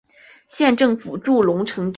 县政府驻龙城镇。